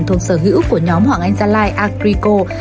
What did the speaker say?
thuộc sở hữu của nhóm hoàng anh gia lai akriko